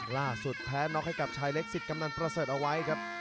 ล่าสุดแท้น็อคให้กับชายเล็กซิตกำนันประเสริฐเอาไว้ครับ